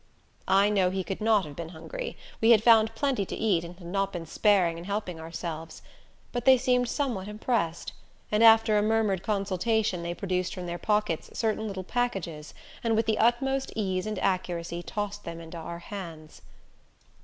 I know he could not have been hungry; we had found plenty to eat and had not been sparing in helping ourselves. But they seemed somewhat impressed; and after a murmured consultation they produced from their pockets certain little packages, and with the utmost ease and accuracy tossed them into our hands.